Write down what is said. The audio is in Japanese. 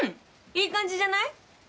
いい感じじゃない？